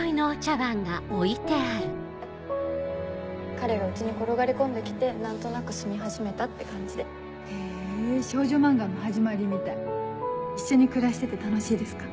彼が家に転がり込んで来て何となく住み始めたって感じでへぇ少女漫画の始まりみたい一緒に暮らしてて楽しいですか？